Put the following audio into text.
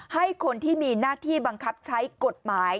ให้คนที่มีหน้าที่บังคับใช้กฎหมาย